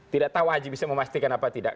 tidak tahu haji bisa memastikan apa tidak